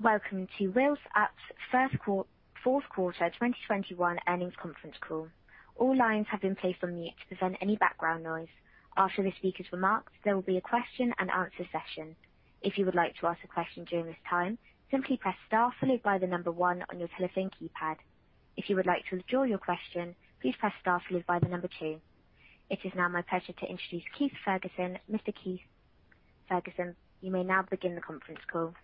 Welcome to Wheels Up's fourth quarter 2021 earnings conference call. All lines have been placed on mute to prevent any background noise. After the speaker's remarks, there will be a question and answer session. If you would like to ask a question during this time, simply press Star followed by the number one on your telephone keypad. If you would like to withdraw your question, please press Star followed by the number two. It is now my pleasure to introduce Keith Ferguson. Mr. Keith Ferguson, you may now begin the conference call.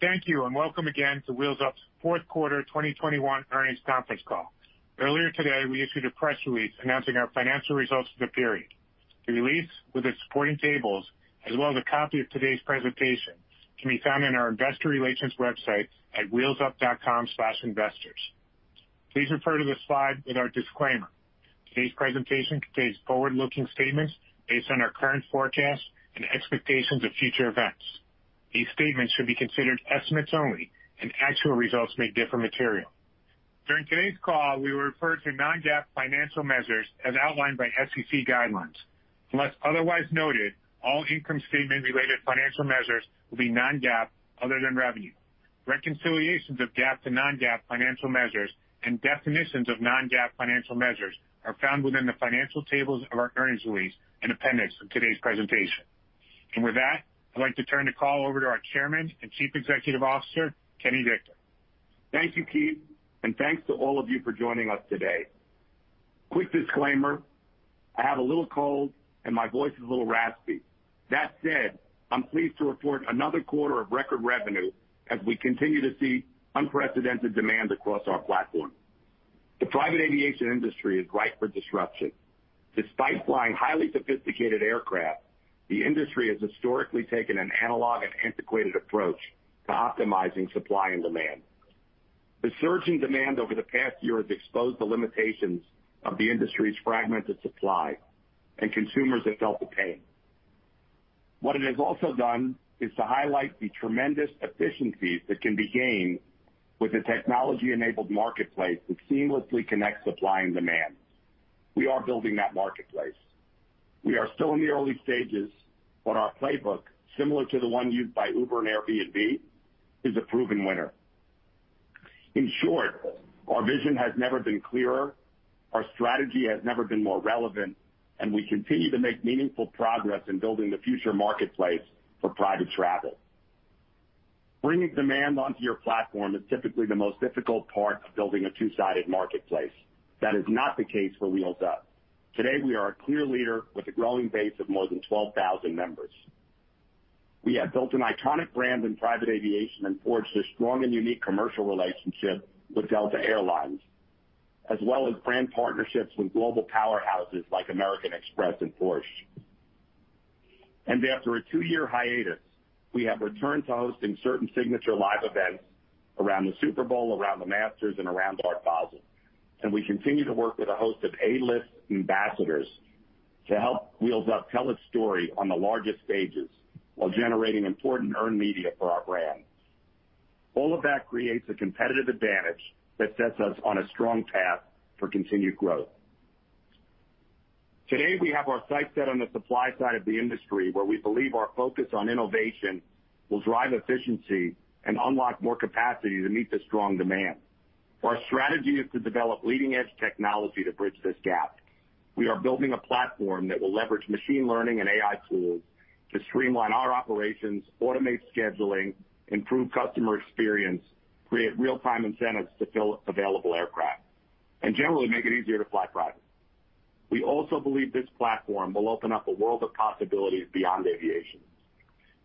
Thank you, and welcome again to Wheels Up's fourth quarter 2021 earnings conference call. Earlier today, we issued a press release announcing our financial results for the period. The release with its supporting tables, as well as a copy of today's presentation can be found in our investor relations website at wheelsup.com/investors. Please refer to the slide with our disclaimer. Today's presentation contains forward-looking statements based on our current forecasts and expectations of future events. These statements should be considered estimates only, and actual results may differ materially. During today's call, we will refer to non-GAAP financial measures as outlined by SEC guidelines. Unless otherwise noted, all income statement-related financial measures will be non-GAAP other than revenue. Reconciliations of GAAP to non-GAAP financial measures and definitions of non-GAAP financial measures are found within the financial tables of our earnings release and appendix of today's presentation. With that, I'd like to turn the call over to our Chairman and Chief Executive Officer, Kenny Dichter. Thank you, Keith, and thanks to all of you for joining us today. Quick disclaimer, I have a little cold and my voice is a little raspy. That said, I'm pleased to report another quarter of record revenue as we continue to see unprecedented demand across our platform. The private aviation industry is ripe for disruption. Despite flying highly sophisticated aircraft, the industry has historically taken an analog and antiquated approach to optimizing supply and demand. The surging demand over the past year has exposed the limitations of the industry's fragmented supply, and consumers have felt the pain. What it has also done is to highlight the tremendous efficiencies that can be gained with a technology-enabled marketplace that seamlessly connects supply and demand. We are building that marketplace. We are still in the early stages, but our playbook, similar to the one used by Uber and Airbnb, is a proven winner. In short, our vision has never been clearer, our strategy has never been more relevant, and we continue to make meaningful progress in building the future marketplace for private travel. Bringing demand onto your platform is typically the most difficult part of building a two-sided marketplace. That is not the case for Wheels Up. Today, we are a clear leader with a growing base of more than 12,000 members. We have built an iconic brand in private aviation and forged a strong and unique commercial relationship with Delta Air Lines, as well as brand partnerships with global powerhouses like American Express and Porsche. After a two-year hiatus, we have returned to hosting certain signature live events around the Super Bowl, around the Masters, and around Art Basel. We continue to work with a host of A-list ambassadors to help Wheels Up tell its story on the largest stages while generating important earned media for our brand. All of that creates a competitive advantage that sets us on a strong path for continued growth. Today, we have our sights set on the supply side of the industry, where we believe our focus on innovation will drive efficiency and unlock more capacity to meet the strong demand. Our strategy is to develop leading-edge technology to bridge this gap. We are building a platform that will leverage machine learning and AI tools to streamline our operations, automate scheduling, improve customer experience, create real-time incentives to fill available aircraft, and generally make it easier to fly private. We also believe this platform will open up a world of possibilities beyond aviation.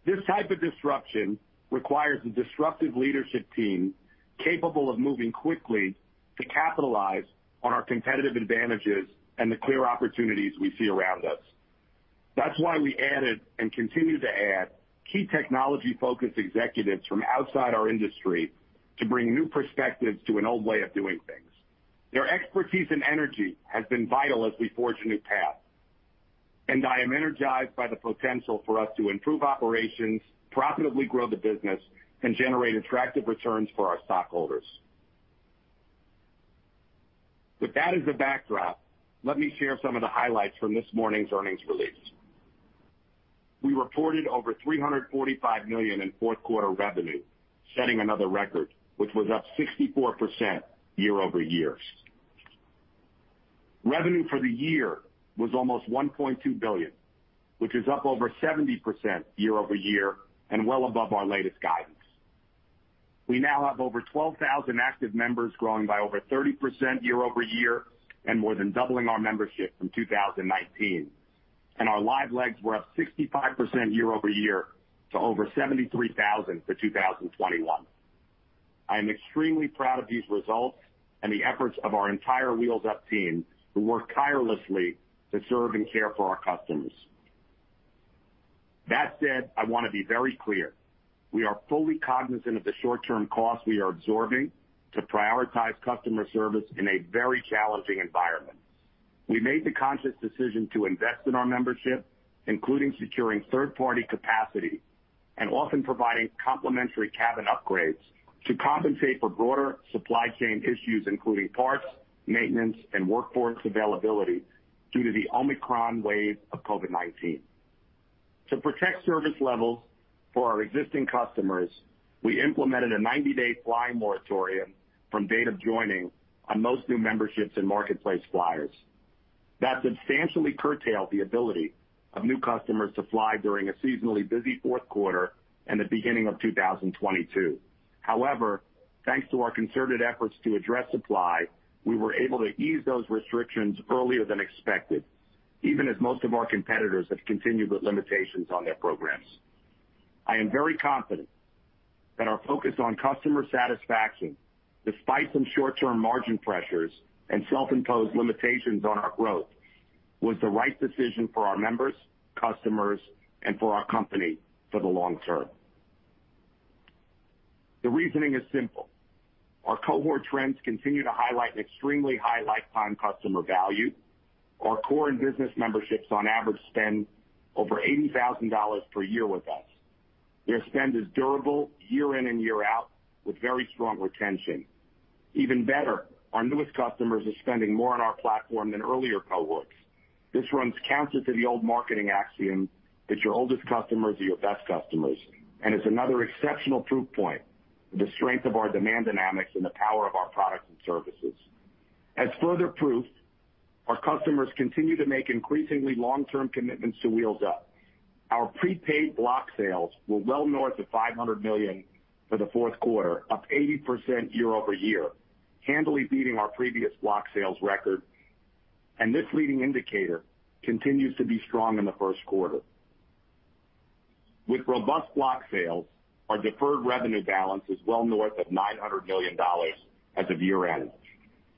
This type of disruption requires a disruptive leadership team capable of moving quickly to capitalize on our competitive advantages and the clear opportunities we see around us. That's why we added and continue to add key technology-focused executives from outside our industry to bring new perspectives to an old way of doing things. Their expertise and energy has been vital as we forge a new path, and I am energized by the potential for us to improve operations, profitably grow the business, and generate attractive returns for our stockholders. With that as the backdrop, let me share some of the highlights from this morning's earnings release. We reported over $345 million in fourth quarter revenue, setting another record, which was up 64% year-over-year. Revenue for the year was almost $1.2 billion, which is up over 70% year-over-year and well above our latest guidance. We now have over 12,000 active members growing by over 30% year-over-year and more than doubling our membership from 2019. Our live legs were up 65% year-over-year to over 73,000 for 2021. I am extremely proud of these results and the efforts of our entire Wheels Up team who work tirelessly to serve and care for our customers. That said, I wanna be very clear, we are fully cognizant of the short-term costs we are absorbing to prioritize customer service in a very challenging environment. We made the conscious decision to invest in our membership, including securing third-party capacity, often providing complementary cabin upgrades to compensate for broader supply chain issues, including parts, maintenance, and workforce availability due to the Omicron wave of COVID-19. To protect service levels for our existing customers, we implemented a 90-day flying moratorium from date of joining on most new memberships and marketplace flyers. That substantially curtailed the ability of new customers to fly during a seasonally busy fourth quarter and the beginning of 2022. However, thanks to our concerted efforts to address supply, we were able to ease those restrictions earlier than expected, even as most of our competitors have continued with limitations on their programs. I am very confident that our focus on customer satisfaction, despite some short-term margin pressures and self-imposed limitations on our growth, was the right decision for our members, customers, and for our company for the long term. The reasoning is simple. Our cohort trends continue to highlight an extremely high lifetime customer value. Our core and business memberships on average spend over $80,000 per year with us. Their spend is durable year in and year out with very strong retention. Even better, our newest customers are spending more on our platform than earlier cohorts. This runs counter to the old marketing axiom that your oldest customers are your best customers, and it's another exceptional proof point the strength of our demand dynamics and the power of our products and services. As further proof, our customers continue to make increasingly long-term commitments to Wheels Up. Our prepaid block sales were well north of $500 million for the fourth quarter, up 80% year-over-year, handily beating our previous block sales record. This leading indicator continues to be strong in the first quarter. With robust block sales, our deferred revenue balance is well north of $900 million as of year-end.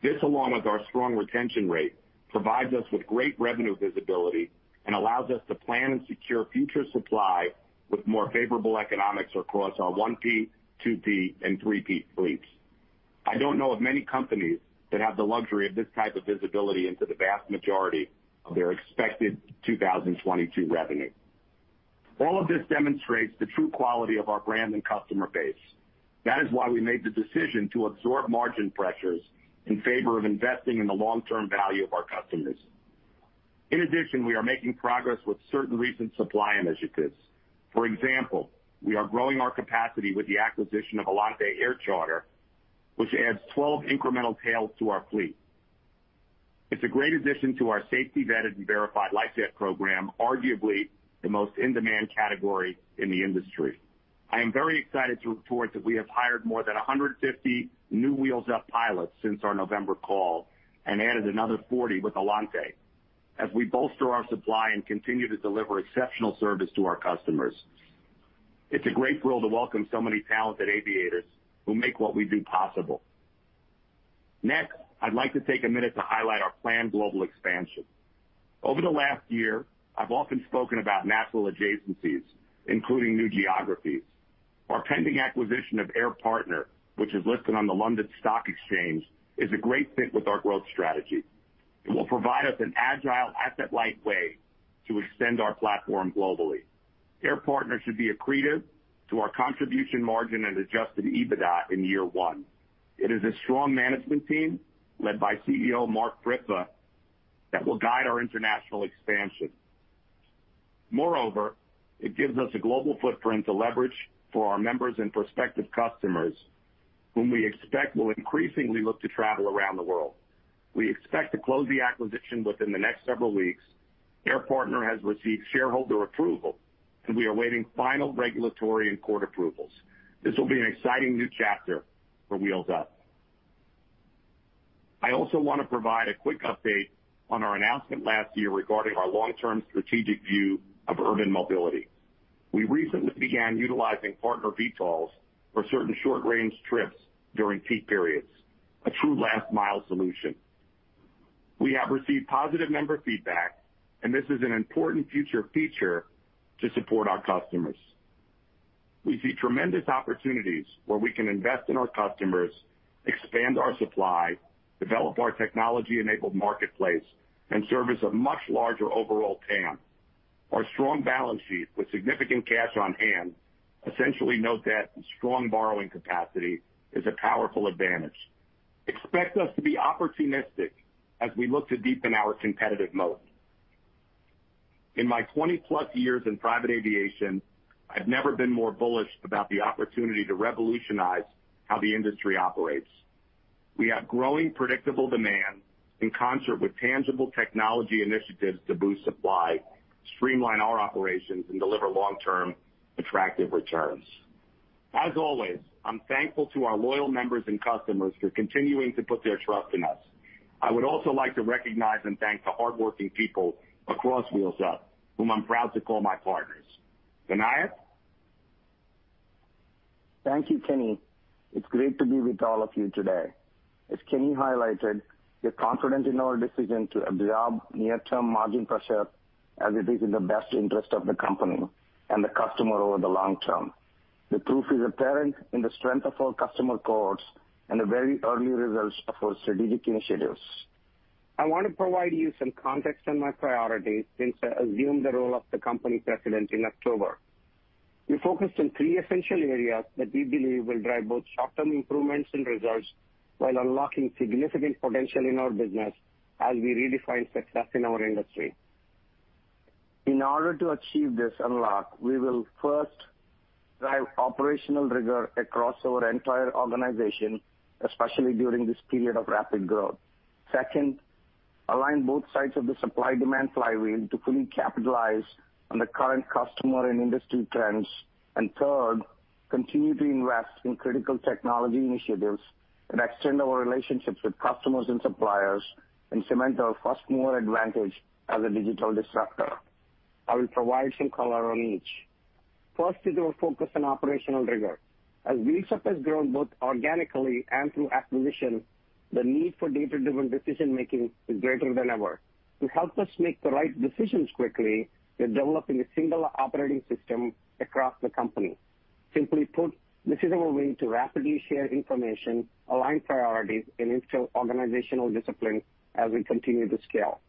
This, along with our strong retention rate, provides us with great revenue visibility and allows us to plan and secure future supply with more favorable economics across our 1P, 2P, and 3P fleets. I don't know of many companies that have the luxury of this type of visibility into the vast majority of their expected 2022 revenue. All of this demonstrates the true quality of our brand and customer base. That is why we made the decision to absorb margin pressures in favor of investing in the long-term value of our customers. In addition, we are making progress with certain recent supply initiatives. For example, we are growing our capacity with the acquisition of Alante Air Charter, which adds 12 incremental tails to our fleet. It's a great addition to our safety vetted and verified light jet program, arguably the most in-demand category in the industry. I am very excited to report that we have hired more than 150 new Wheels Up pilots since our November call and added another 40 with Alante as we bolster our supply and continue to deliver exceptional service to our customers. It's a great thrill to welcome so many talented aviators who make what we do possible. Next, I'd like to take a minute to highlight our planned global expansion. Over the last year, I've often spoken about natural adjacencies, including new geographies. Our pending acquisition of Air Partner, which is listed on the London Stock Exchange, is a great fit with our growth strategy. It will provide us an agile asset-light way to extend our platform globally. Air Partner should be accretive to our contribution margin and adjusted EBITDA in year one. It is a strong management team led by CEO Mark Briffa that will guide our international expansion. Moreover, it gives us a global footprint to leverage for our members and prospective customers whom we expect will increasingly look to travel around the world. We expect to close the acquisition within the next several weeks. Air Partner has received shareholder approval, and we are awaiting final regulatory and court approvals. This will be an exciting new chapter for Wheels Up. I also want to provide a quick update on our announcement last year regarding our long-term strategic view of urban mobility. We recently began utilizing partner VTOLs for certain short-range trips during peak periods, a true last mile solution. We have received positive member feedback, and this is an important future feature to support our customers. We see tremendous opportunities where we can invest in our customers, expand our supply, develop our technology-enabled marketplace, and service a much larger overall TAM. Our strong balance sheet with significant cash on hand, essentially no debt and strong borrowing capacity, is a powerful advantage. Expect us to be opportunistic as we look to deepen our competitive moat. In my 20+ years in private aviation, I've never been more bullish about the opportunity to revolutionize how the industry operates. We have growing predictable demand in concert with tangible technology initiatives to boost supply, streamline our operations, and deliver long-term attractive returns. As always, I'm thankful to our loyal members and customers for continuing to put their trust in us. I would also like to recognize and thank the hardworking people across Wheels Up, whom I'm proud to call my partners. Vinayak? Thank you, Kenny. It's great to be with all of you today. As Kenny highlighted, we're confident in our decision to absorb near-term margin pressure as it is in the best interest of the company and the customer over the long term. The proof is apparent in the strength of our customer cohorts and the very early results of our strategic initiatives. I wanna provide you some context on my priorities since I assumed the role of the company president in October. We focused on three essential areas that we believe will drive both short-term improvements in results while unlocking significant potential in our business as we redefine success in our industry. In order to achieve this unlock, we will first drive operational rigor across our entire organization, especially during this period of rapid growth. Second, align both sides of the supply-demand flywheel to fully capitalize on the current customer and industry trends. Third, continue to invest in critical technology initiatives and extend our relationships with customers and suppliers, and cement our first mover advantage as a digital disruptor. I will provide some color on each. First is our focus on operational rigor. As Wheels Up has grown both organically and through acquisition, the need for data-driven decision-making is greater than ever. To help us make the right decisions quickly, we're developing a single operating system across the company. Simply put, this is a way to rapidly share information, align priorities, and instill organizational discipline as we continue to scale.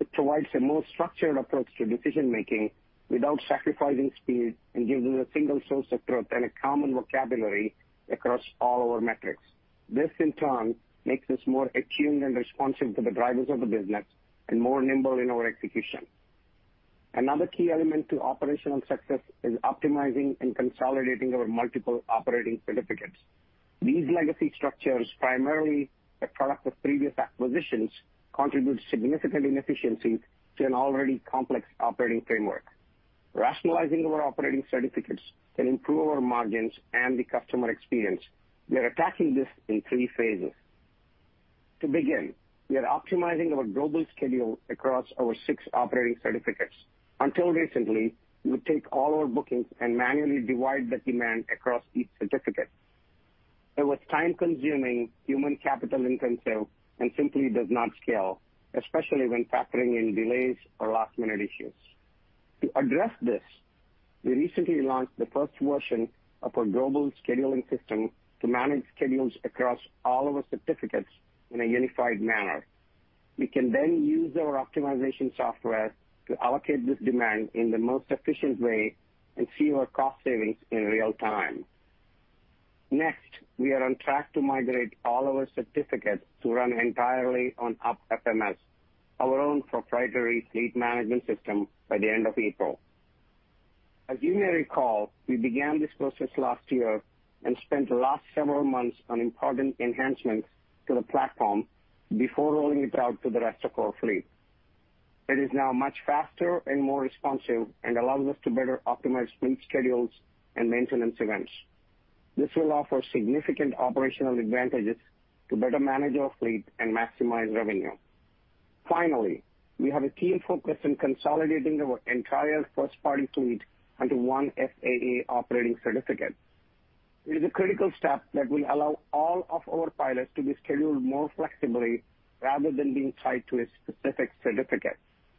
It provides a more structured approach to decision-making without sacrificing speed and gives us a single source of truth and a common vocabulary across all our metrics. This in turn makes us more attuned and responsive to the drivers of the business and more nimble in our execution. Another key element to operational success is optimizing and consolidating our multiple operating certificates. These legacy structures, primarily a product of previous acquisitions, contribute significant inefficiencies to an already complex operating framework. Rationalizing our operating certificates can improve our margins and the customer experience. We are attacking this in three phases. To begin, we are optimizing our global schedule across our six operating certificates. Until recently, we would take all our bookings and manually divide the demand across each certificate. It was time-consuming, human capital intensive, and simply does not scale, especially when factoring in delays or last-minute issues. To address this, we recently launched the first version of our global scheduling system to manage schedules across all of our certificates in a unified manner. We can then use our optimization software to allocate this demand in the most efficient way and see our cost savings in real time. Next, we are on track to migrate all our certificates to run entirely on UP FMS, our own proprietary fleet management system, by the end of April. As you may recall, we began this process last year and spent the last several months on important enhancements to the platform before rolling it out to the rest of our fleet. It is now much faster and more responsive and allows us to better optimize fleet schedules and maintenance events. This will offer significant operational advantages to better manage our fleet and maximize revenue. Finally, we have a key focus in consolidating our entire first-party fleet onto one FAA operating certificate. It is a critical step that will allow all of our pilots to be scheduled more flexibly rather than being tied to a specific certificate.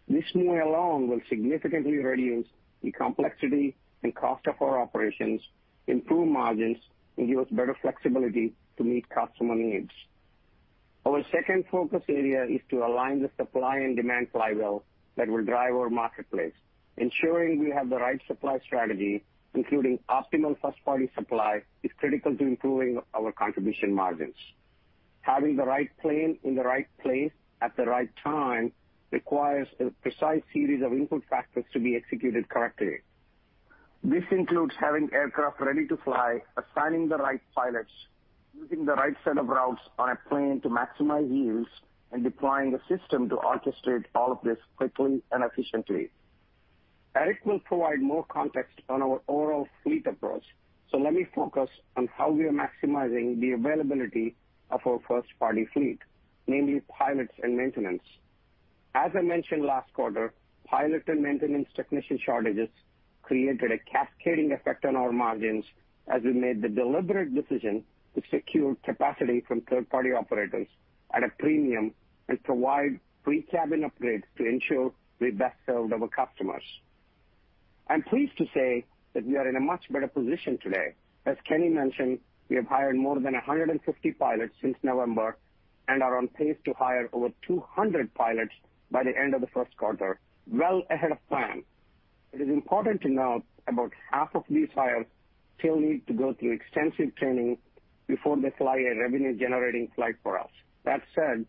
This move alone will significantly reduce the complexity and cost of our operations, improve margins, and give us better flexibility to meet customer needs. Our second focus area is to align the supply and demand flywheel that will drive our marketplace. Ensuring we have the right supply strategy, including optimal first-party supply, is critical to improving our contribution margins. Having the right plane in the right place at the right time requires a precise series of input factors to be executed correctly. This includes having aircraft ready to fly, assigning the right pilots, using the right set of routes on a plane to maximize use, and deploying a system to orchestrate all of this quickly and efficiently. Eric will provide more context on our overall fleet approach, so let me focus on how we are maximizing the availability of our first-party fleet, namely pilots and maintenance. As I mentioned last quarter, pilot and maintenance technician shortages created a cascading effect on our margins as we made the deliberate decision to secure capacity from third-party operators at a premium and provide free cabin upgrades to ensure we best served our customers. I'm pleased to say that we are in a much better position today. As Kenny mentioned, we have hired more than 150 pilots since November and are on pace to hire over 200 pilots by the end of the first quarter, well ahead of plan. It is important to note about half of these hires still need to go through extensive training before they fly a revenue-generating flight for us. That said,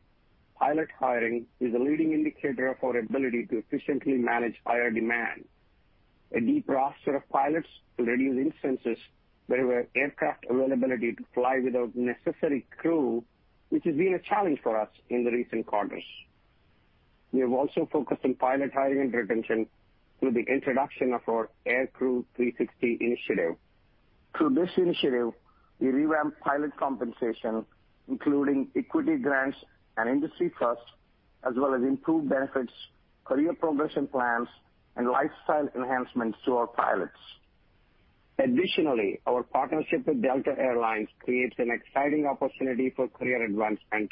pilot hiring is a leading indicator of our ability to efficiently manage higher demand. A deeper roster of pilots will reduce instances where we have aircraft availability to fly without necessary crew, which has been a challenge for us in the recent quarters. We have also focused on pilot hiring and retention through the introduction of our Aircrew 360 initiative. Through this initiative, we revamped pilot compensation, including equity grants, an industry first, as well as improved benefits, career progression plans, and lifestyle enhancements to our pilots. Additionally, our partnership with Delta Air Lines creates an exciting opportunity for career advancement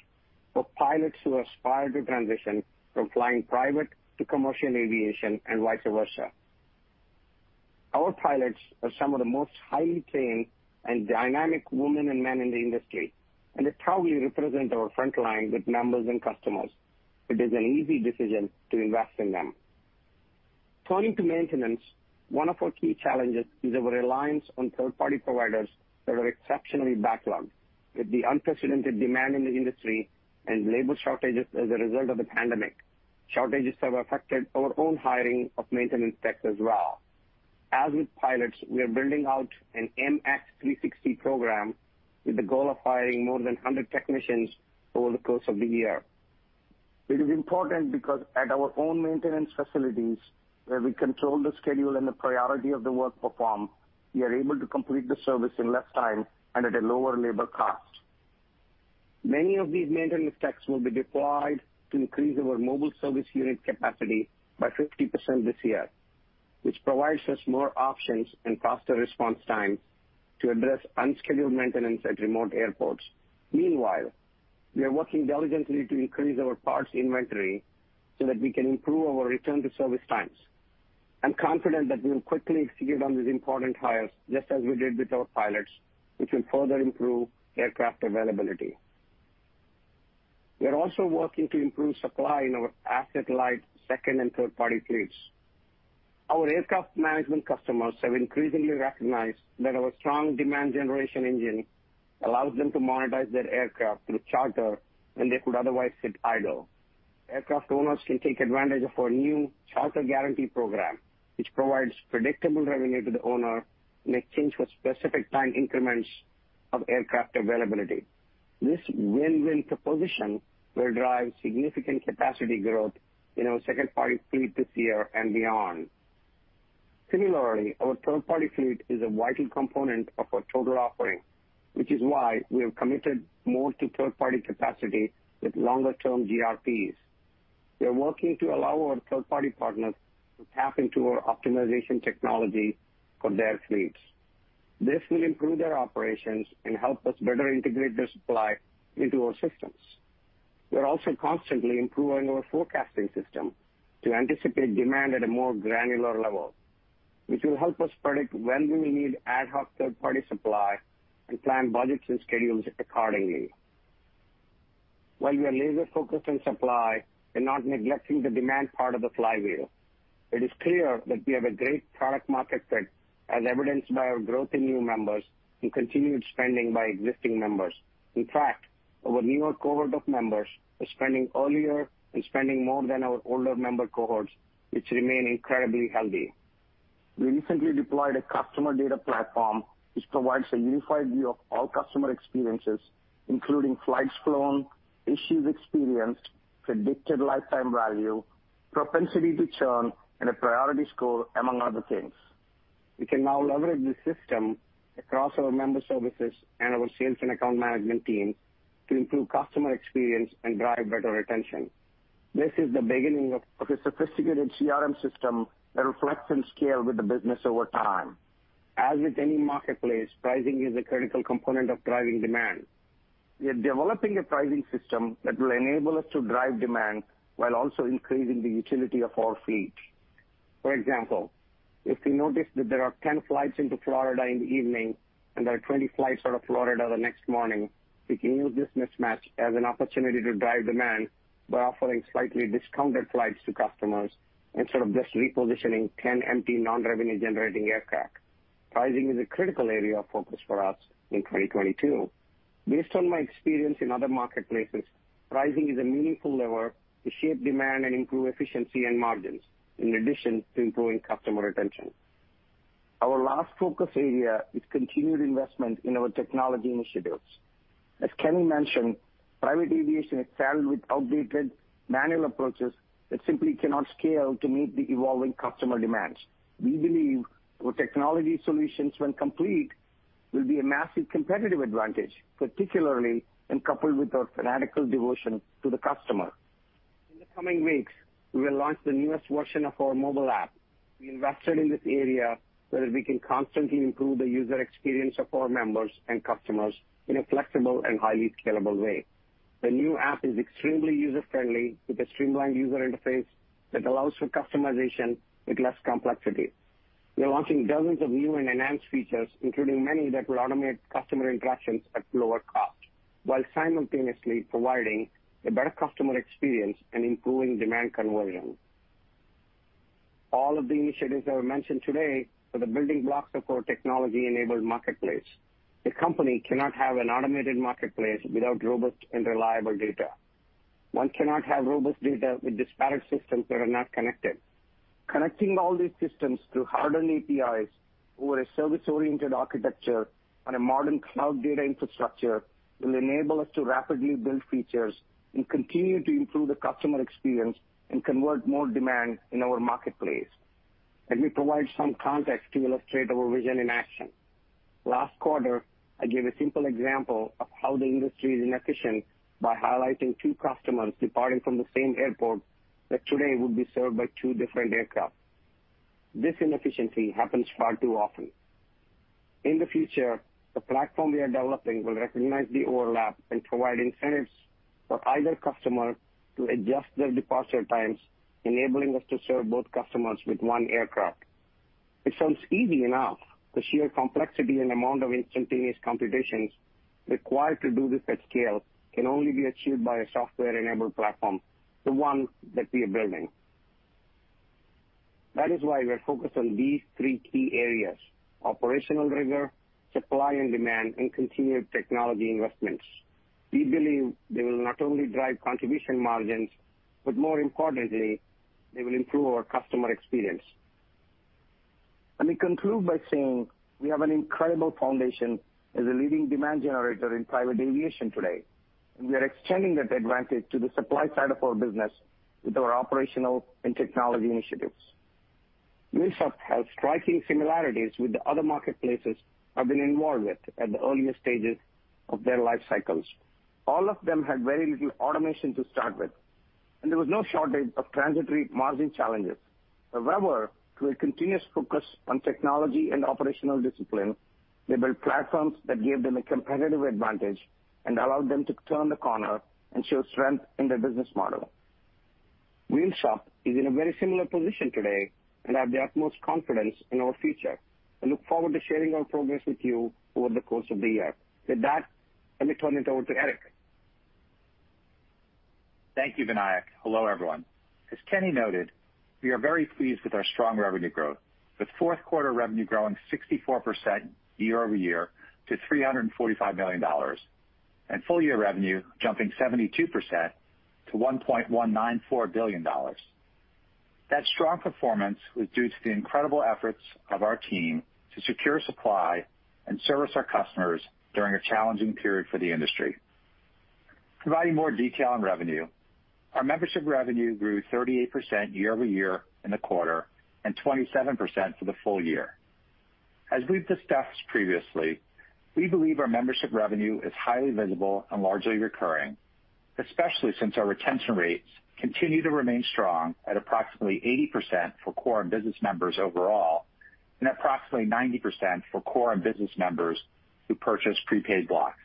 for pilots who aspire to transition from flying private to commercial aviation and vice versa. Our pilots are some of the most highly trained and dynamic women and men in the industry, and it's how we represent our frontline with members and customers. It is an easy decision to invest in them. Turning to maintenance, one of our key challenges is our reliance on third-party providers that are exceptionally backlogged. With the unprecedented demand in the industry and labor shortages as a result of the pandemic, shortages have affected our own hiring of maintenance techs as well. As with pilots, we are building out an MX 360 program with the goal of hiring more than 100 technicians over the course of the year. It is important because at our own maintenance facilities, where we control the schedule and the priority of the work performed, we are able to complete the service in less time and at a lower labor cost. Many of these maintenance techs will be deployed to increase our mobile service unit capacity by 50% this year, which provides us more options and faster response times to address unscheduled maintenance at remote airports. Meanwhile, we are working diligently to increase our parts inventory so that we can improve our return-to-service times. I'm confident that we will quickly execute on these important hires just as we did with our pilots, which will further improve aircraft availability. We are also working to improve supply in our asset-light second and third-party fleets. Our aircraft management customers have increasingly recognized that our strong demand generation engine allows them to monetize their aircraft through charter when they could otherwise sit idle. Aircraft owners can take advantage of our new charter guarantee program, which provides predictable revenue to the owner in exchange for specific time increments of aircraft availability. This win-win proposition will drive significant capacity growth in our second-party fleet this year and beyond. Similarly, our third-party fleet is a vital component of our total offering, which is why we have committed more to third-party capacity with longer-term GRPs. We are working to allow our third-party partners to tap into our optimization technology for their fleets. This will improve their operations and help us better integrate their supply into our systems. We're also constantly improving our forecasting system to anticipate demand at a more granular level, which will help us predict when we need ad hoc third-party supply and plan budgets and schedules accordingly. While we are laser-focused on supply, we're not neglecting the demand part of the flywheel. It is clear that we have a great product market fit, as evidenced by our growth in new members and continued spending by existing members. In fact, our newer cohort of members are spending earlier and spending more than our older member cohorts, which remain incredibly healthy. We recently deployed a customer data platform which provides a unified view of all customer experiences, including flights flown, issues experienced, predicted lifetime value, propensity to churn, and a priority score, among other things. We can now leverage this system across our member services and our sales and account management teams to improve customer experience and drive better retention. This is the beginning of a sophisticated CRM system that reflects and scale with the business over time. As with any marketplace, pricing is a critical component of driving demand. We are developing a pricing system that will enable us to drive demand while also increasing the utility of our fleet. For example, if we notice that there are 10 flights into Florida in the evening and there are 20 flights out of Florida the next morning, we can use this mismatch as an opportunity to drive demand by offering slightly discounted flights to customers instead of just repositioning 10 empty non-revenue generating aircraft. Pricing is a critical area of focus for us in 2022. Based on my experience in other marketplaces, pricing is a meaningful lever to shape demand and improve efficiency and margins, in addition to improving customer retention. Our last focus area is continued investment in our technology initiatives. As Kenny mentioned, private aviation excelled with outdated manual approaches that simply cannot scale to meet the evolving customer demands. We believe our technology solutions when complete will be a massive competitive advantage, particularly when coupled with our fanatical devotion to the customer. In the coming weeks, we will launch the newest version of our mobile app. We invested in this area so that we can constantly improve the user experience of our members and customers in a flexible and highly scalable way. The new app is extremely user-friendly with a streamlined user interface that allows for customization with less complexity. We're launching dozens of new and enhanced features, including many that will automate customer interactions at lower cost while simultaneously providing a better customer experience and improving demand conversion. All of the initiatives that were mentioned today are the building blocks of our technology-enabled marketplace. A company cannot have an automated marketplace without robust and reliable data. One cannot have robust data with disparate systems that are not connected. Connecting all these systems through hardened APIs over a service-oriented architecture on a modern cloud data infrastructure will enable us to rapidly build features and continue to improve the customer experience and convert more demand in our marketplace. Let me provide some context to illustrate our vision in action. Last quarter, I gave a simple example of how the industry is inefficient by highlighting two customers departing from the same airport that today would be served by two different aircraft. This inefficiency happens far too often. In the future, the platform we are developing will recognize the overlap and provide incentives for either customer to adjust their departure times, enabling us to serve both customers with one aircraft. It sounds easy enough. The sheer complexity and amount of instantaneous computations required to do this at scale can only be achieved by a software-enabled platform, the one that we are building. That is why we are focused on these three key areas, operational rigor, supply and demand, and continued technology investments. We believe they will not only drive contribution margins, but more importantly, they will improve our customer experience. Let me conclude by saying we have an incredible foundation as a leading demand generator in private aviation today, and we are extending that advantage to the supply side of our business with our operational and technology initiatives. Wheels Up has striking similarities with the other marketplaces I've been involved with at the earliest stages of their life cycles. All of them had very little automation to start with, and there was no shortage of transitory margin challenges. However, through a continuous focus on technology and operational discipline, they built platforms that gave them a competitive advantage and allowed them to turn the corner and show strength in their business model. Wheels Up is in a very similar position today, and I have the utmost confidence in our future. I look forward to sharing our progress with you over the course of the year. With that, let me turn it over to Eric. Thank you, Vinayak. Hello, everyone. As Kenny noted, we are very pleased with our strong revenue growth, with fourth quarter revenue growing 64% year-over-year to $345 million and full year revenue jumping 72% to $1.194 billion. That strong performance was due to the incredible efforts of our team to secure supply and service our customers during a challenging period for the industry. Providing more detail on revenue, our membership revenue grew 38% year-over-year in the quarter and 27% for the full year. As we've discussed previously, we believe our membership revenue is highly visible and largely recurring, especially since our retention rates continue to remain strong at approximately 80% for core and business members overall, and approximately 90% for core and business members who purchase prepaid blocks.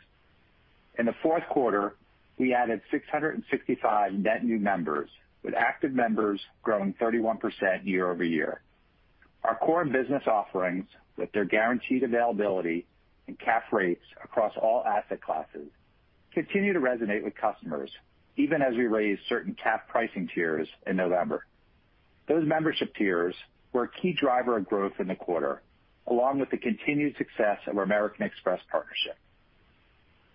In the fourth quarter, we added 665 net new members, with active members growing 31% year-over-year. Our core and business offerings, with their guaranteed availability and cap rates across all asset classes, continue to resonate with customers even as we raise certain cap pricing tiers in November. Those membership tiers were a key driver of growth in the quarter, along with the continued success of our American Express partnership.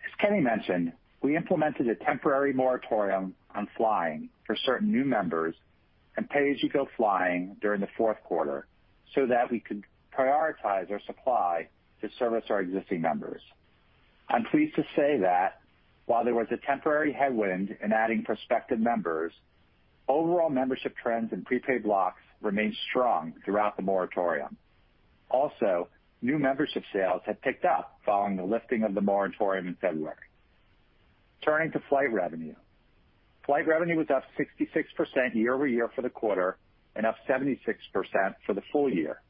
As Kenny mentioned, we implemented a temporary moratorium on flying for certain new members and pay-as-you-go flying during the fourth quarter so that we could prioritize our supply to service our existing members. I'm pleased to say that while there was a temporary headwind in adding prospective members, overall membership trends and prepaid blocks remained strong throughout the moratorium. Also, new membership sales have picked up following the lifting of the moratorium in February. Turning to flight revenue. Flight revenue was up 66% year-over-year for the quarter and up 76% for the full year.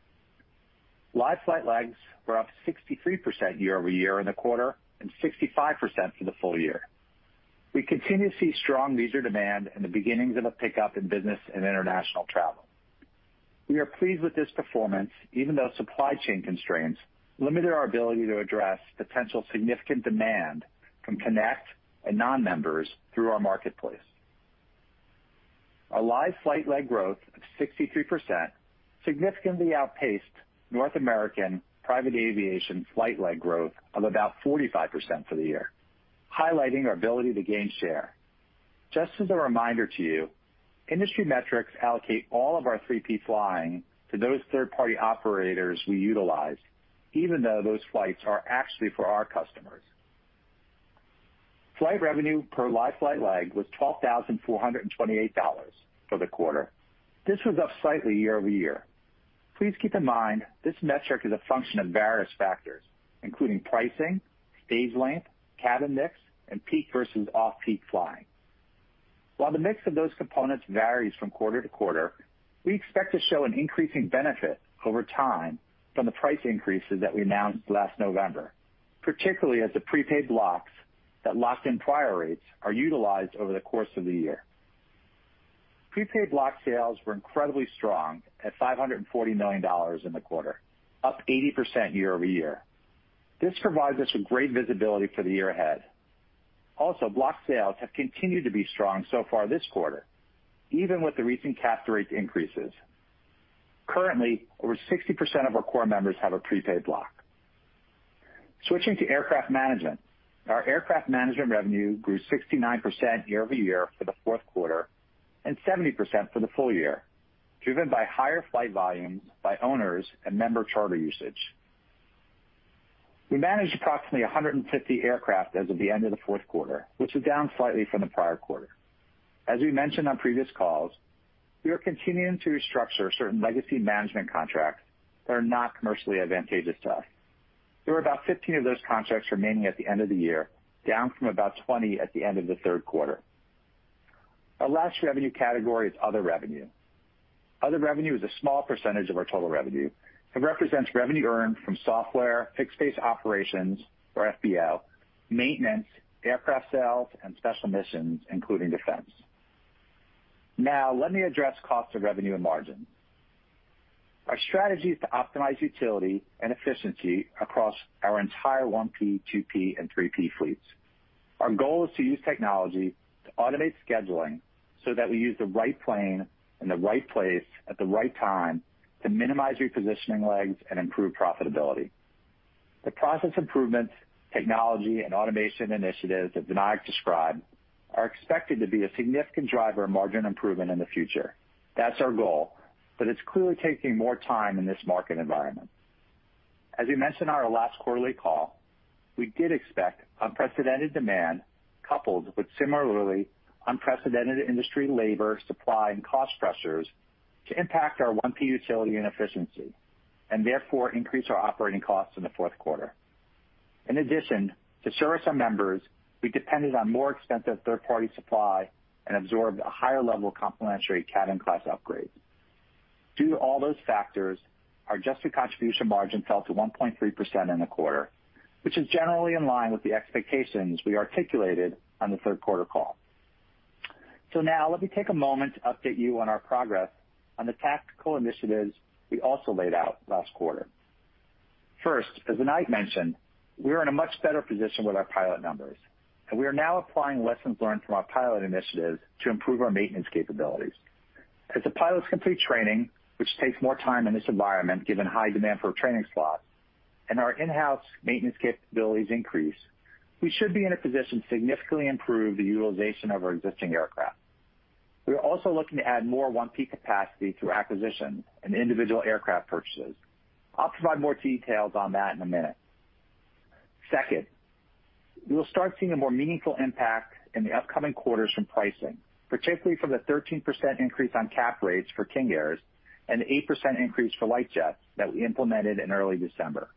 Live flight legs were up 63% year-over-year in the quarter and 65% for the full year. We continue to see strong leisure demand and the beginnings of a pickup in business and international travel. We are pleased with this performance, even though supply chain constraints limited our ability to address potential significant demand from Connect and non-members through our marketplace. Our live flight leg growth of 63% significantly outpaced North American private aviation flight leg growth of about 45% for the year, highlighting our ability to gain share. Just as a reminder to you, industry metrics allocate all of our 3P flying to those third-party operators we utilize, even though those flights are actually for our customers. Flight revenue per live flight leg was $12,428 for the quarter. This was up slightly year-over-year. Please keep in mind this metric is a function of various factors, including pricing, stage length, cabin mix, and peak versus off-peak flying. While the mix of those components varies from quarter to quarter, we expect to show an increasing benefit over time from the price increases that we announced last November, particularly as the prepaid blocks that locked in prior rates are utilized over the course of the year. Prepaid block sales were incredibly strong at $540 million in the quarter, up 80% year-over-year. This provides us with great visibility for the year ahead. Also, block sales have continued to be strong so far this quarter, even with the recent cap rate increases. Currently, over 60% of our core members have a prepaid block. Switching to aircraft management. Our aircraft management revenue grew 69% year-over-year for the fourth quarter and 70% for the full year, driven by higher flight volumes by owners and member charter usage. We managed approximately 150 aircraft as of the end of the fourth quarter, which was down slightly from the prior quarter. As we mentioned on previous calls, we are continuing to restructure certain legacy management contracts that are not commercially advantageous to us. There were about 15 of those contracts remaining at the end of the year, down from about 20 at the end of the third quarter. Our last revenue category is other revenue. Other revenue is a small percentage of our total revenue and represents revenue earned from software, fixed-base operations or FBO, maintenance, aircraft sales, and special missions, including defense. Now, let me address cost of revenue and margin. Our strategy is to optimize utility and efficiency across our entire one-P, two-P, and three-P fleets. Our goal is to use technology to automate scheduling so that we use the right plane in the right place at the right time to minimize repositioning legs and improve profitability. The process improvements, technology, and automation initiatives that Vinayak described are expected to be a significant driver of margin improvement in the future. That's our goal, but it's clearly taking more time in this market environment. As we mentioned on our last quarterly call, we did expect unprecedented demand coupled with similarly unprecedented industry labor supply and cost pressures to impact our 1P utility and efficiency and therefore increase our operating costs in the fourth quarter. In addition, to service our members, we depended on more expensive third-party supply and absorbed a higher level of complimentary cabin class upgrade. Due to all those factors, our adjusted contribution margin fell to 1.3% in the quarter, which is generally in line with the expectations we articulated on the third quarter call. Now let me take a moment to update you on our progress on the tactical initiatives we also laid out last quarter. First, as Vinayak mentioned, we are in a much better position with our pilot numbers, and we are now applying lessons learned from our pilot initiatives to improve our maintenance capabilities. As the pilots complete training, which takes more time in this environment, given high demand for training slots and our in-house maintenance capabilities increase, we should be in a position to significantly improve the utilization of our existing aircraft. We are also looking to add more 1P capacity through acquisitions and individual aircraft purchases. I'll provide more details on that in a minute. Second, we will start seeing a more meaningful impact in the upcoming quarters from pricing, particularly from the 13% increase on cap rates for King Airs and the 8% increase for light jets that we implemented in early December.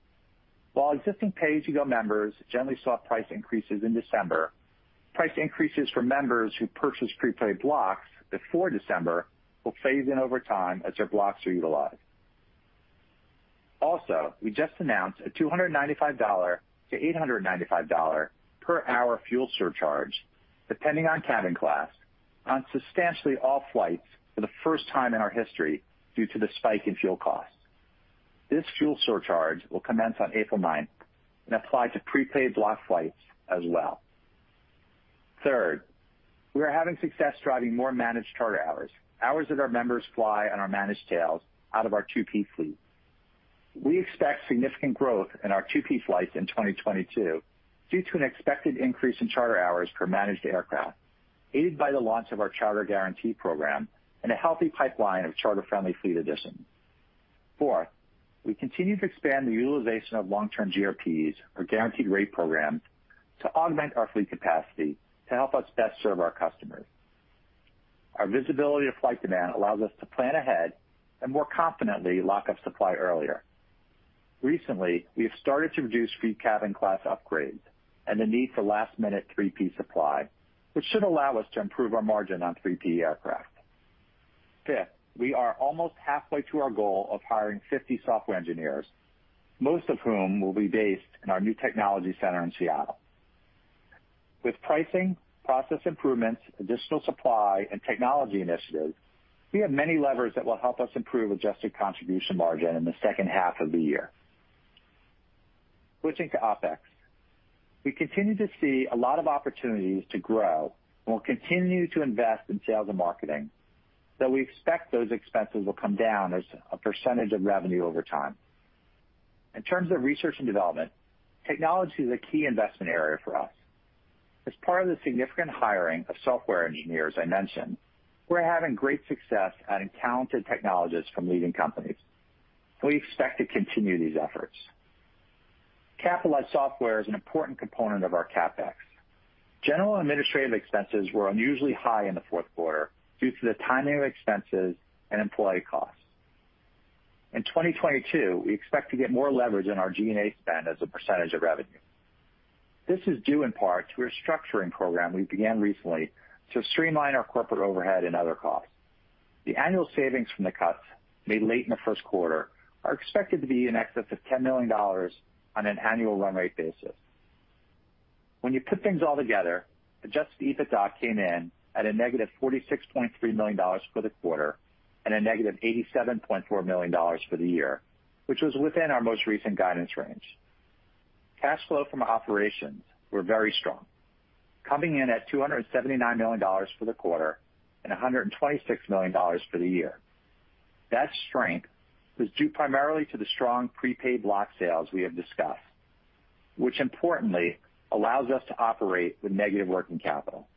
While existing pay-as-you-go members generally saw price increases in December, price increases for members who purchased prepaid blocks before December will phase in over time as their blocks are utilized. Also, we just announced a $295-$895 per hour fuel surcharge, depending on cabin class, on substantially all flights for the first time in our history due to the spike in fuel costs. This fuel surcharge will commence on April 9 and apply to prepaid block flights as well. Third, we are having success driving more managed charter hours that our members fly on our managed tails out of our 2P fleet. We expect significant growth in our 2P flights in 2022 due to an expected increase in charter hours per managed aircraft, aided by the launch of our charter guarantee program and a healthy pipeline of charter-friendly fleet additions. Fourth, we continue to expand the utilization of long-term GRPs or Guaranteed Revenue Programs to augment our fleet capacity to help us best serve our customers. Our visibility of flight demand allows us to plan ahead and more confidently lock up supply earlier. Recently, we have started to reduce free cabin class upgrades and the need for last-minute 3P supply, which should allow us to improve our margin on 3P aircraft. Fifth, we are almost halfway to our goal of hiring 50 software engineers, most of whom will be based in our new technology center in Seattle. With pricing, process improvements, additional supply, and technology initiatives, we have many levers that will help us improve adjusted contribution margin in the second half of the year. Switching to OpEx, we continue to see a lot of opportunities to grow and will continue to invest in sales and marketing, though we expect those expenses will come down as a percentage of revenue over time. In terms of research and development, technology is a key investment area for us. As part of the significant hiring of software engineers I mentioned, we're having great success adding talented technologists from leading companies. We expect to continue these efforts. Capitalized software is an important component of our CapEx. General and administrative expenses were unusually high in the fourth quarter due to the timing of expenses and employee costs. In 2022, we expect to get more leverage in our G&A spend as a percentage of revenue. This is due in part to a restructuring program we began recently to streamline our corporate overhead and other costs. The annual savings from the cuts made late in the first quarter are expected to be in excess of $10 million on an annual run rate basis. When you put things all together, adjusted EBITDA came in at a negative $46.3 million for the quarter and a negative $87.4 million for the year, which was within our most recent guidance range. Cash flow from operations were very strong, coming in at $279 million for the quarter and $126 million for the year. That strength was due primarily to the strong prepaid block sales we have discussed, which importantly allows us to operate with negative working capital.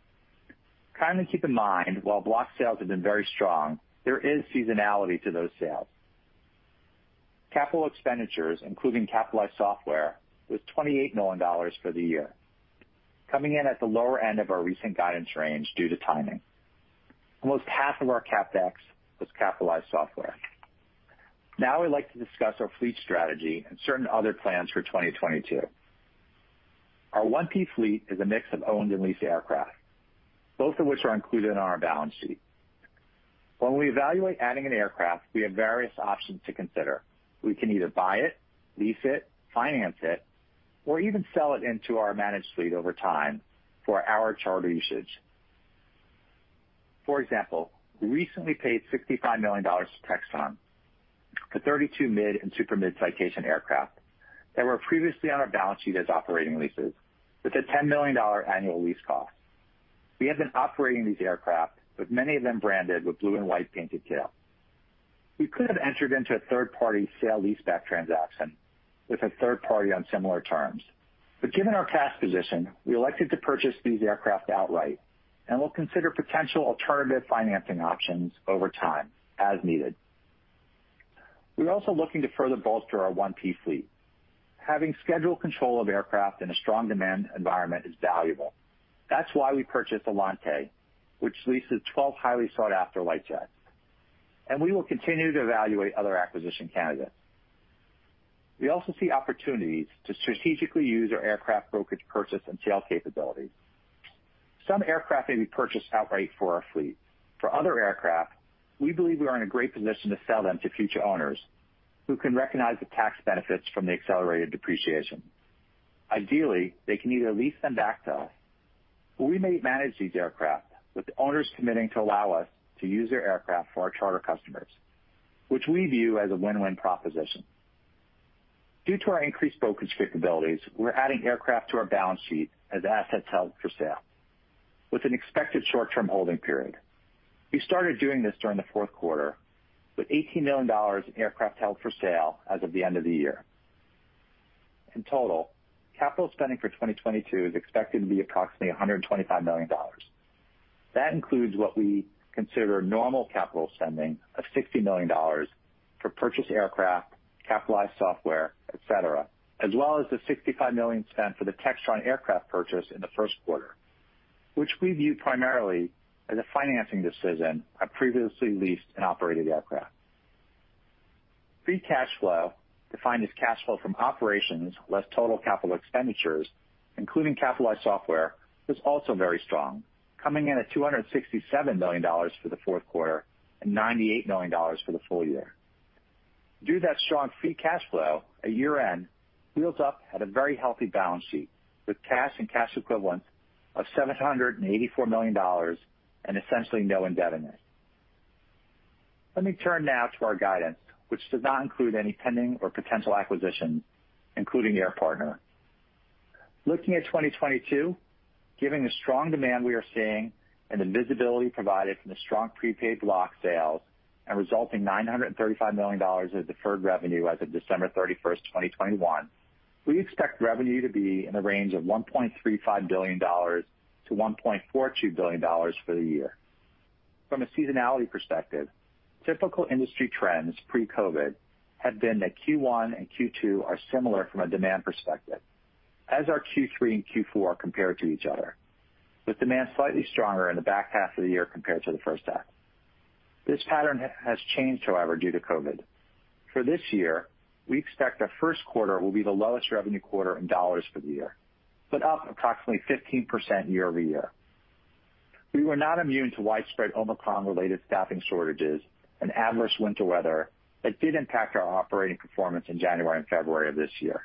Kindly keep in mind while block sales have been very strong, there is seasonality to those sales. Capital expenditures, including capitalized software, was $28 million for the year, coming in at the lower end of our recent guidance range due to timing. Almost half of our CapEx was capitalized software. Now I'd like to discuss our fleet strategy and certain other plans for 2022. Our 1P fleet is a mix of owned and leased aircraft, both of which are included on our balance sheet. When we evaluate adding an aircraft, we have various options to consider. We can either buy it, lease it, finance it, or even sell it into our managed fleet over time for our charter usage. For example, we recently paid $65 million to Textron for 32 mid- and super-midsize Citation aircraft that were previously on our balance sheet as operating leases with a $10 million annual lease cost. We have been operating these aircraft, with many of them branded with blue and white painted tail. We could have entered into a third party sale leaseback transaction with a third party on similar terms, but given our cash position, we elected to purchase these aircraft outright and will consider potential alternative financing options over time as needed. We're also looking to further bolster our 1P fleet. Having schedule control of aircraft in a strong demand environment is valuable. That's why we purchased Alante, which leases 12 highly sought-after light jets, and we will continue to evaluate other acquisition candidates. We also see opportunities to strategically use our aircraft brokerage purchase and sale capabilities. Some aircraft may be purchased outright for our fleet. For other aircraft, we believe we are in a great position to sell them to future owners who can recognize the tax benefits from the accelerated depreciation. Ideally, they can either lease them back to us or we may manage these aircraft with the owners committing to allow us to use their aircraft for our charter customers, which we view as a win-win proposition. Due to our increased focus capabilities, we're adding aircraft to our balance sheet as assets held for sale with an expected short-term holding period. We started doing this during the fourth quarter with $18 million in aircraft held for sale as of the end of the year. In total, capital spending for 2022 is expected to be approximately $125 million. That includes what we consider normal capital spending of $60 million for purchase aircraft, capitalized software, et cetera, as well as the $65 million spent for the Textron aircraft purchase in the first quarter, which we view primarily as a financing decision of previously leased and operated aircraft. Free cash flow, defined as cash flow from operations less total capital expenditures, including capitalized software, was also very strong, coming in at $267 million for the fourth quarter and $98 million for the full year. Due to that strong free cash flow at year-end, we woke up at a very healthy balance sheet with cash and cash equivalents of $784 million and essentially no indebtedness. Let me turn now to our guidance, which does not include any pending or potential acquisitions, including the Air Partner. Looking at 2022, given the strong demand we are seeing and the visibility provided from the strong prepaid block sales and resulting $935 million of deferred revenue as of December 31, 2021, we expect revenue to be in the range of $1.35 billion-$1.42 billion for the year. From a seasonality perspective, typical industry trends pre-COVID have been that Q1 and Q2 are similar from a demand perspective, as are Q3 and Q4 compared to each other, with demand slightly stronger in the back half of the year compared to the first half. This pattern has changed, however, due to COVID. For this year, we expect our first quarter will be the lowest revenue quarter in dollars for the year, but up approximately 15% year-over-year. We were not immune to widespread Omicron-related staffing shortages and adverse winter weather that did impact our operating performance in January and February of this year.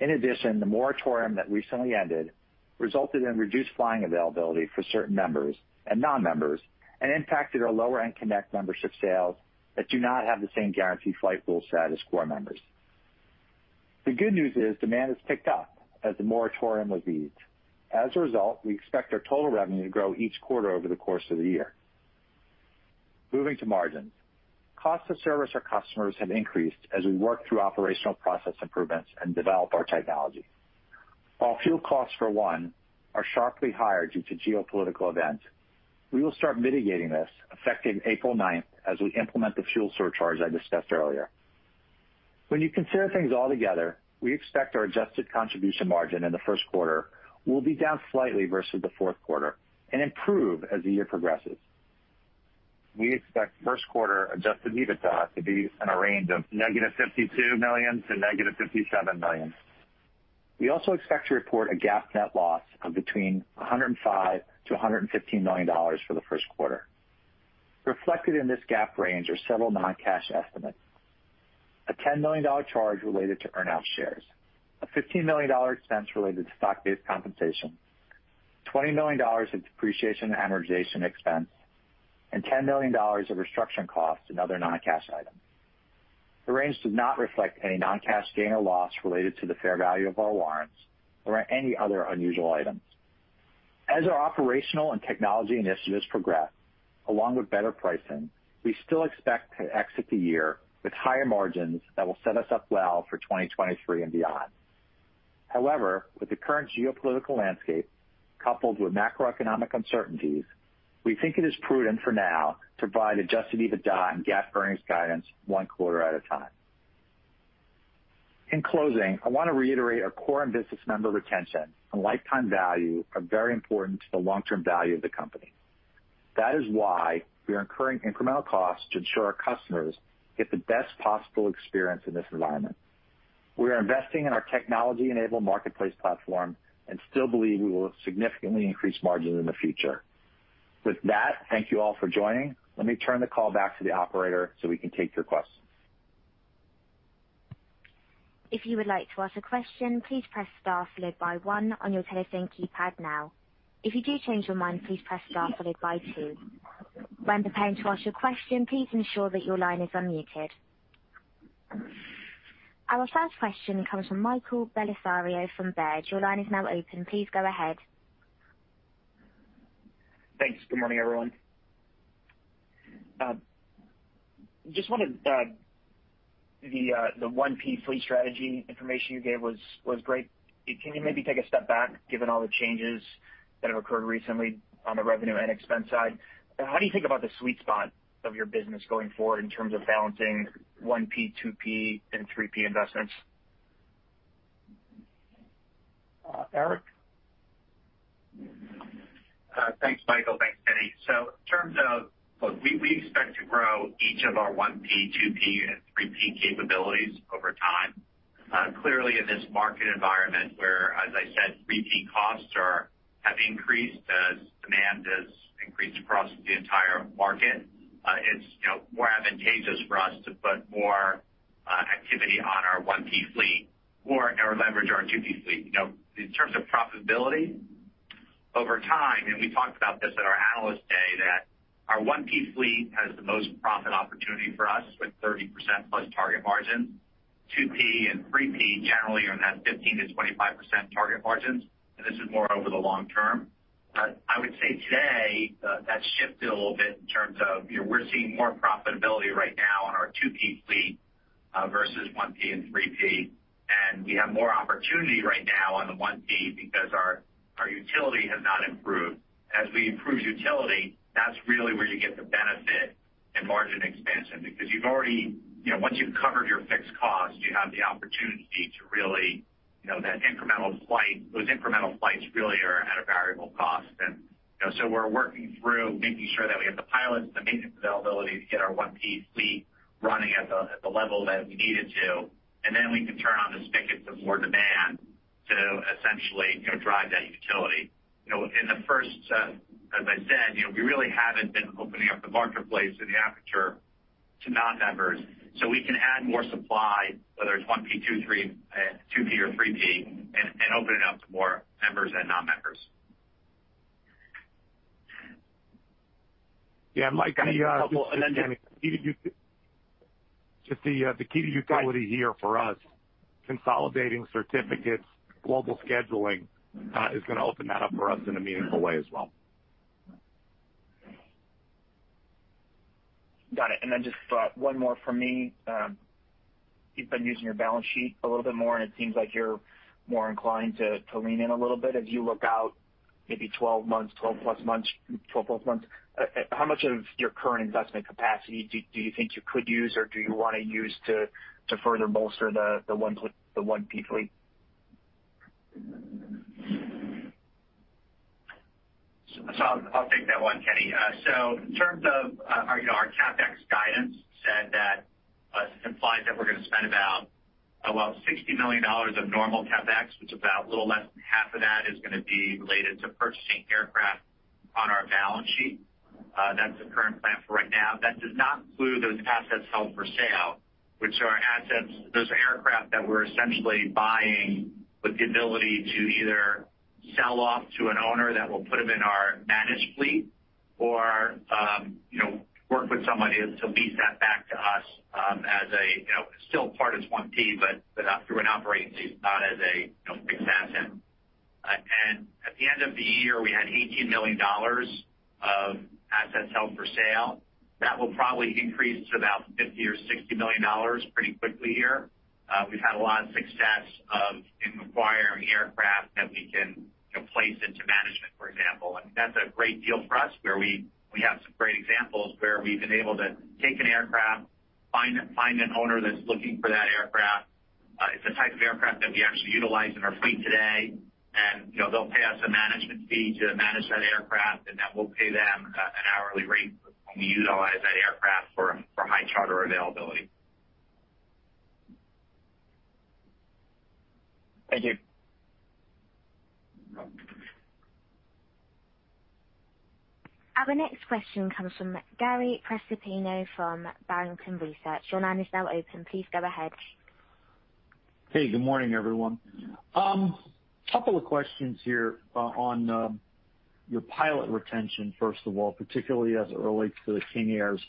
In addition, the moratorium that recently ended resulted in reduced flying availability for certain members and non-members and impacted our lower end Connect membership sales that do not have the same guaranteed flight full status core members. The good news is demand has picked up as the moratorium was eased. As a result, we expect our total revenue to grow each quarter over the course of the year. Moving to margins. Cost of service to customers have increased as we work through operational process improvements and develop our technology. While fuel costs, for one, are sharply higher due to geopolitical events, we will start mitigating this effective April 9 as we implement the fuel surcharge I discussed earlier. When you consider things all together, we expect our adjusted contribution margin in the first quarter will be down slightly versus the fourth quarter and improve as the year progresses. We expect first quarter adjusted EBITDA to be in a range of -$52 million–-$57 million. We also expect to report a GAAP net loss of between $105 million–$115 million for the first quarter. Reflected in this GAAP range are several non-cash estimates. A $10 million charge related to earn out shares, a $15 million expense related to stock-based compensation, $20 million in depreciation and amortization expense, and $10 million of restructuring costs and other non-cash items. The range does not reflect any non-cash gain or loss related to the fair value of our warrants or any other unusual items. As our operational and technology initiatives progress, along with better pricing, we still expect to exit the year with higher margins that will set us up well for 2023 and beyond. However, with the current geopolitical landscape coupled with macroeconomic uncertainties, we think it is prudent for now to provide adjusted EBITDA and GAAP earnings guidance one quarter at a time. In closing, I want to reiterate our core and business member retention and lifetime value are very important to the long-term value of the company. That is why we are incurring incremental costs to ensure our customers get the best possible experience in this environment. We are investing in our technology-enabled marketplace platform and still believe we will significantly increase margins in the future. With that, thank you all for joining. Let me turn the call back to the operator, so we can take your questions. Our first question comes from Michael Bellisario from Baird. Your line is now open. Please go ahead. Thanks. Good morning, everyone. The 1P fleet strategy information you gave was great. Can you maybe take a step back, given all the changes that have occurred recently on the revenue and expense side? How do you think about the sweet spot of your business going forward in terms of balancing 1P, 2P and 3P investments? Eric? Thanks, Michael. Thanks, Kenny. Look, we expect to grow each of our 1P, 2P and 3P capabilities over time. Clearly, in this market environment where, as I said, 3P costs have increased as demand has increased across the entire market, it's, you know, more advantageous for us to put more activity on our 1P fleet or, you know, leverage our 2P fleet. You know, in terms of profitability over time, and we talked about this at our Analyst Day, that our 1P fleet has the most profit opportunity for us with 30%+ target margins. 2P and 3P generally are in that 15%-25% target margins, and this is more over the long term. I would say today, that's shifted a little bit in terms of, you know, we're seeing more profitability right now on our 2P fleet versus 1P and 3P. We have more opportunity right now on the 1P because our utility has not improved. As we improve utility, that's really where you get the benefit in margin expansion, because you've already you know, once you've covered your fixed costs, you have the opportunity to really, you know, those incremental flights really are at a variable cost. So we're working through making sure that we have the pilots, the maintenance availability to get our 1P fleet running at the level that we need it to, and then we can turn on the spigots of more demand to essentially, you know, drive that utility. You know, in the first, as I said, you know, we really haven't been opening up the marketplace and the aperture to non-members. We can add more supply, whether it's 1P, 2P or 3P, and open it up to more members and non-members. Yeah, Mike, I just- And then- Just the key to utility here for us, consolidating certificates, global scheduling, is gonna open that up for us in a meaningful way as well. Got it. Just one more from me. You've been using your balance sheet a little bit more, and it seems like you're more inclined to lean in a little bit. As you look out maybe 12+ months, how much of your current investment capacity do you think you could use or do you wanna use to further bolster the 1P fleet? I'll take that one, Kenny. In terms of our CapEx guidance, that implies that we're gonna spend about $60 million of normal CapEx, which about a little less than half of that is gonna be related to purchasing aircraft on our balance sheet. That's the current plan for right now. That does not include those assets held for sale, which are assets, those aircraft that we're essentially buying with the ability to either sell off to an owner that will put them in our managed fleet or work with somebody to lease that back to us as still part of 1P, but through an operating lease, not as a fixed asset. At the end of the year, we had $18 million of assets held for sale. That will probably increase to about $50 million-$60 million pretty quickly here. We've had a lot of success in acquiring aircraft that we can place into management, for example. That's a great deal for us, where we have some great examples where we've been able to take an aircraft, find an owner that's looking for that aircraft. It's a type of aircraft that we actually utilize in our fleet today. You know, they'll pay us a management fee to manage that aircraft, and then we'll pay them an hourly rate when we utilize that aircraft for high charter availability. Thank you. Our next question comes from Gary Prestopino from Barrington Research. Your line is now open. Please go ahead. Hey, good morning, everyone. Couple of questions here, on your pilot retention, first of all, particularly as it relates to the King Airs.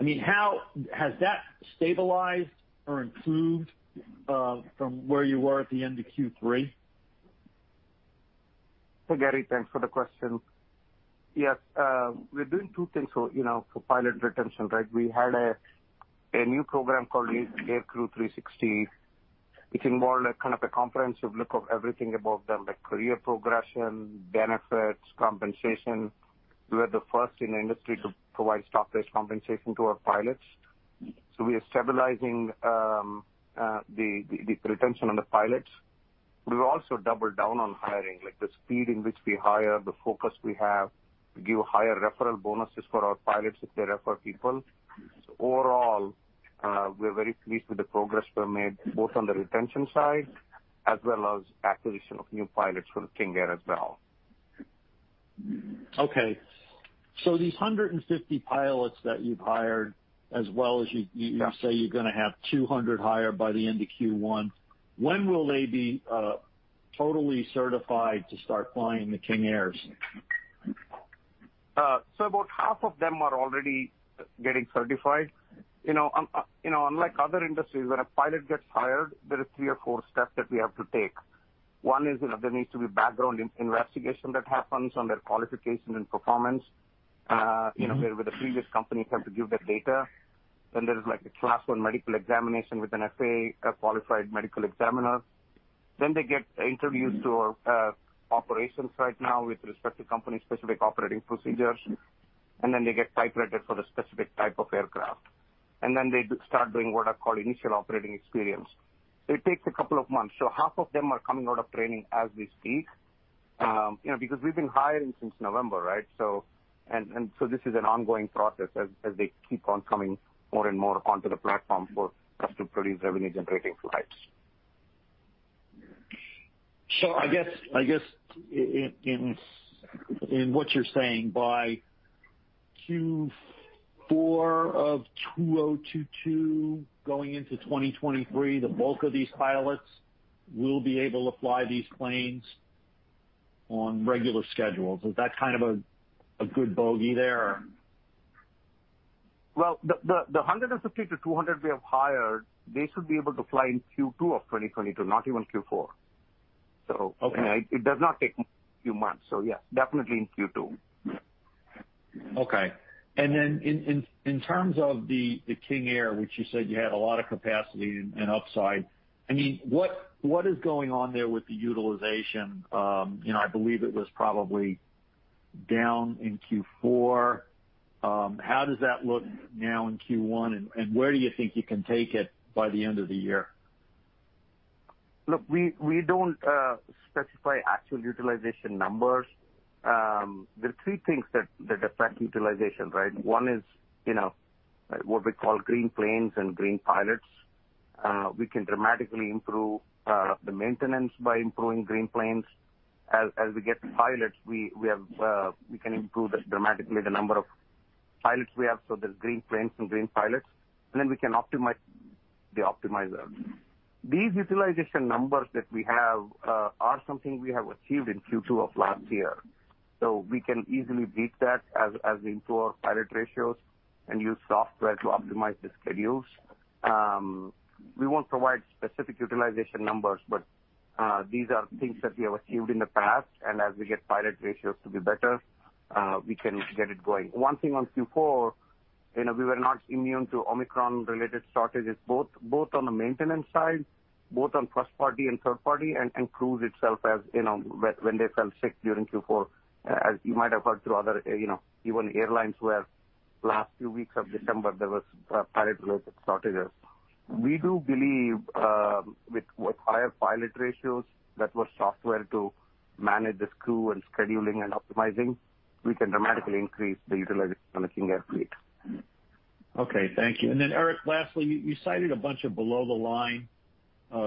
I mean, how has that stabilized or improved, from where you were at the end of Q3? Gary, thanks for the question. Yes, we're doing two things, you know, for pilot retention, right? We had a new program called AIRCREW 360, which involved a kind of a comprehensive look of everything about them, like career progression, benefits, compensation. We are the first in the industry to provide stock-based compensation to our pilots. We are stabilizing the retention on the pilots. We've also doubled down on hiring, like the speed in which we hire, the focus we have. We give higher referral bonuses for our pilots if they refer people. Overall, we're very pleased with the progress we've made both on the retention side as well as acquisition of new pilots for the King Air as well. Okay. These 150 pilots that you've hired as well as you Yeah. Say you're gonna have 200 hired by the end of Q1, when will they be totally certified to start flying the King Airs? About half of them are already getting certified. You know, unlike other industries, when a pilot gets hired, there are three or four steps that we have to take. One is, you know, there needs to be background investigation that happens on their qualification and performance. Mm-hmm. You know, where with the previous company, you have to give that data. There's like a Class one medical examination with an FAA qualified medical examiner. They get introduced to operations right now with respect to company specific operating procedures, and then they get type rated for the specific type of aircraft. They start doing what are called initial operating experience. It takes a couple of months. Half of them are coming out of training as we speak, you know, because we've been hiring since November, right? This is an ongoing process as they keep on coming more and more onto the platform for us to produce revenue generating flights. I guess in what you're saying, by Q4 of 2022 going into 2023, the bulk of these pilots will be able to fly these planes on regular schedules. Is that kind of a good bogey there? Well, the 150-200 we have hired, they should be able to fly in Q2 of 2022, not even Q4. Okay. It does not take few months. Yeah, definitely in Q2. Okay. In terms of the King Air, which you said you had a lot of capacity and upside, I mean, what is going on there with the utilization? You know, I believe it was probably down in Q4. How does that look now in Q1, and where do you think you can take it by the end of the year? Look, we don't specify actual utilization numbers. There are three things that affect utilization, right? One is, you know, what we call green planes and green pilots. We can dramatically improve the maintenance by improving green planes. As we get pilots, we can improve this dramatically the number of pilots we have, so there's green planes and green pilots. Then we can optimize the optimizer. These utilization numbers that we have are something we have achieved in Q2 of last year. We can easily beat that as we improve our pilot ratios and use software to optimize the schedules. We won't provide specific utilization numbers, but these are things that we have achieved in the past. As we get pilot ratios to be better, we can get it going. One thing on Q4, you know, we were not immune to Omicron related shortages, both on the maintenance side, both on first party and third party, and crews itself, as you know, when they fell sick during Q4, as you might have heard through other, you know, even airlines where last few weeks of December there was pilot related shortages. We do believe with higher pilot ratios, network software to manage the crew and scheduling and optimizing, we can dramatically increase the utilization on the King Air fleet. Okay. Thank you. Eric, lastly, you cited a bunch of below the line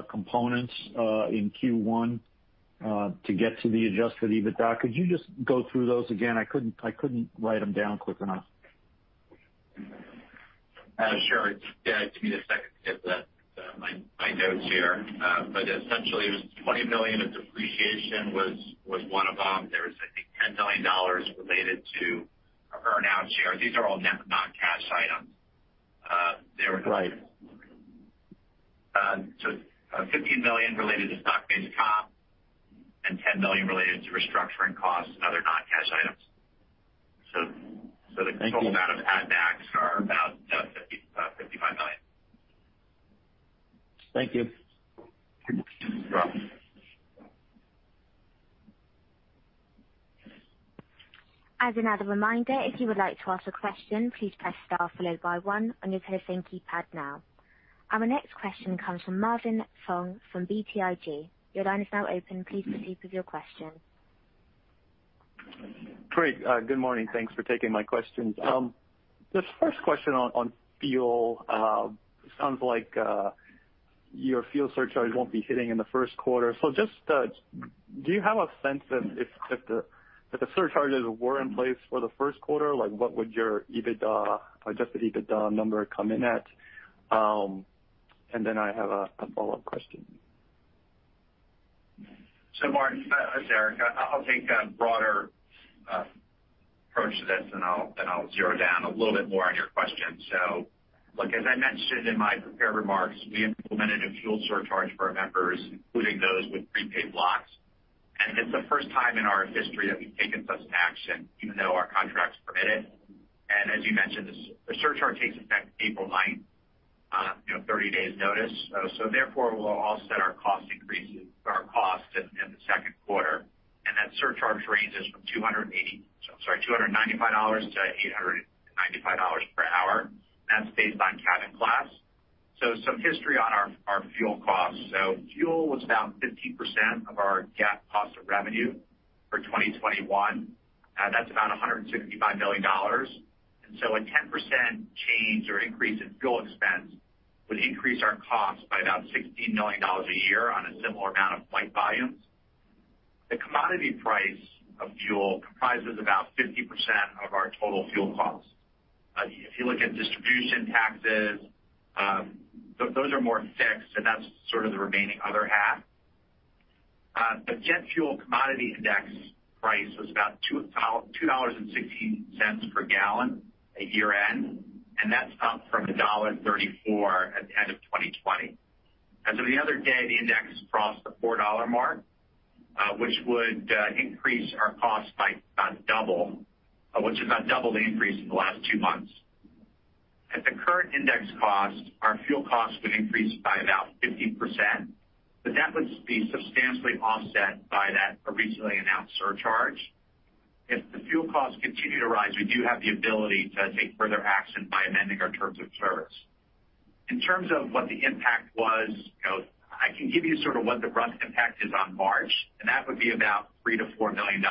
components in Q1 to get to the adjusted EBITDA. Could you just go through those again? I couldn't write them down quick enough. Sure. Yeah, give me a second to get to that, my notes here. Essentially it was $20 million of depreciation was one of them. There was I think $10 million related to earn out shares. These are all net non-cash items. There was- Right. $15 million related to stock-based comp and $10 million related to restructuring costs and other non-cash items. The- Thank you. The total amount of add-backs are about $55 million. Thank you. You're welcome. As another reminder, if you would like to ask a question, please press star followed by one on your telephone keypad now. Our next question comes from Marvin Fong from BTIG. Your line is now open. Please proceed with your question. Great. Good morning. Thanks for taking my questions. This first question on fuel. It sounds like your fuel surcharge won't be hitting in the first quarter. Just do you have a sense that if the surcharges were in place for the first quarter, like what would your EBITDA, adjusted EBITDA number come in at? I have a follow-up question. Marvin, it's Eric. I'll take a broader approach to this, and I'll drill down a little bit more on your question. Look, as I mentioned in my prepared remarks, we implemented a fuel surcharge for our members, including those with prepaid blocks. It's the first time in our history that we've taken such an action even though our contracts permit it. As you mentioned, the surcharge takes effect April 9 with 30 days' notice. Therefore we'll offset our cost increases, our costs in the second quarter. That surcharge ranges from $295-$895 per hour. That's based on cabin class. Some history on our fuel costs. Fuel was about 15% of our GAAP cost of revenue for 2021. That's about $165 million. A 10% change or increase in fuel expense would increase our costs by about $16 million a year on a similar amount of flight volumes. The commodity price of fuel comprises about 50% of our total fuel costs. If you look at distribution taxes, those are more fixed, and that's sort of the remaining other half. The jet fuel commodity index price was about $2.60 per gallon at year-end, and that's up from $1.34 at the end of 2020. The other day, the index crossed the $4 mark, which would increase our costs by about double, which is about double the increase in the last two months. At the current index cost, our fuel costs would increase by about 15%, but that would be substantially offset by that recently announced surcharge. If the fuel costs continue to rise, we do have the ability to take further action by amending our terms of service. In terms of what the impact was, you know, I can give you sort of what the rough impact is on March, and that would be about $3 million-$4 million,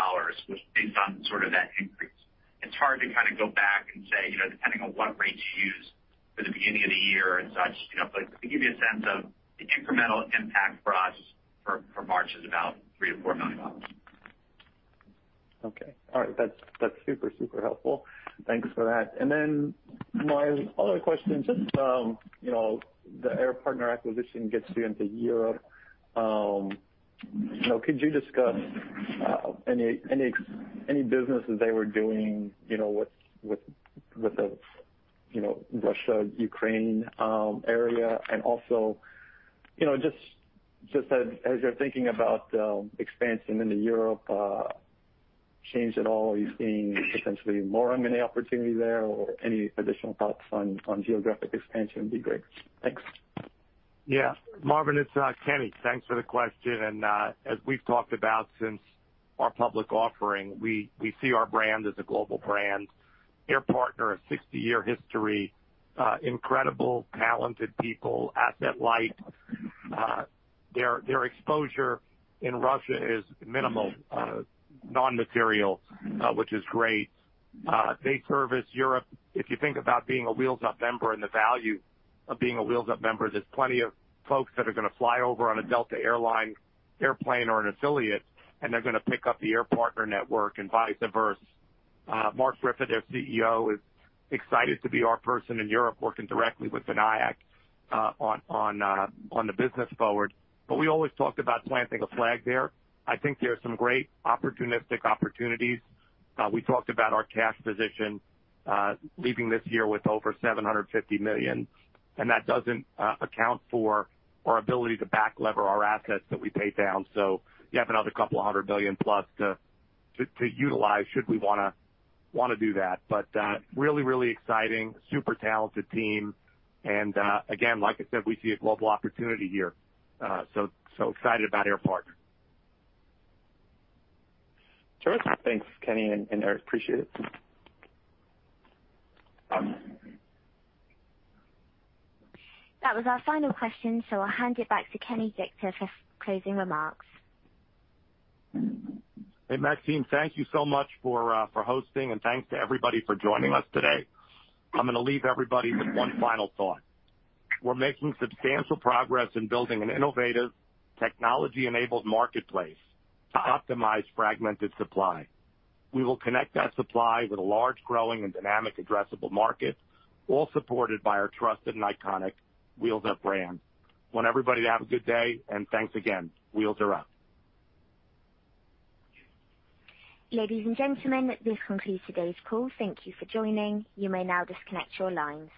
which based on sort of that increase, it's hard to kind of go back and say, you know, depending on what rates you use for the beginning of the year and such, you know. To give you a sense of the incremental impact for us for March is about $3 million-$4 million. Okay. All right. That's super helpful. Thanks for that. My other question, just you know, the Air Partner acquisition gets you into Europe. You know, could you discuss any business that they were doing, you know, with the, you know, Russia-Ukraine area? Also, you know, just as you're thinking about expansion into Europe, does that change at all, are you seeing potentially more M&A opportunity there or any additional thoughts on geographic expansion would be great. Thanks. Yeah. Marvin, it's Kenny. Thanks for the question. As we've talked about since our public offering, we see our brand as a global brand. Air Partner, a 60-year history, incredibly talented people, asset light. Their exposure in Russia is minimal, non-material, which is great. They service Europe. If you think about being a Wheels Up member and the value of being a Wheels Up member, there's plenty of folks that are gonna fly over on a Delta Air Lines airplane or an affiliate, and they're gonna pick up the Air Partner network and vice versa. Mark Briffa, their CEO, is excited to be our person in Europe working directly with Vinayak on the business forward. We always talked about planting a flag there. I think there are some great opportunistic opportunities. We talked about our cash position, leaving this year with over $750 million, and that doesn't account for our ability to back lever our assets that we pay down. You have another couple of hundred million-plus to utilize should we wanna do that. Really exciting, super talented team. Again, like I said, we see a global opportunity here. Excited about Air Partner. Terrific. Thanks, Kenny and Eric. Appreciate it. That was our final question, so I'll hand it back to Kenny Dichter for closing remarks. Hey, Maxine, thank you so much for hosting, and thanks to everybody for joining us today. I'm gonna leave everybody with one final thought. We're making substantial progress in building an innovative, technology-enabled marketplace to optimize fragmented supply. We will connect that supply with a large, growing and dynamic addressable market, all supported by our trusted and iconic Wheels Up brand. I want everybody to have a good day, and thanks again. Wheels are up. Ladies and gentlemen, this concludes today's call. Thank you for joining. You may now disconnect your lines.